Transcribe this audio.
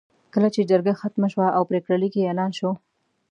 کله چې جرګه ختمه شوه او پرېکړه لیک یې اعلان شو.